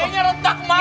ini retak mak